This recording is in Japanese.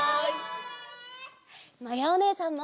まやおねえさんも！